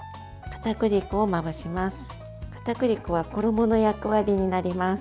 かたくり粉は衣の役割になります。